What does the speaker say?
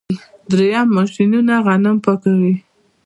دریم ماشینونه غنم پاکوي.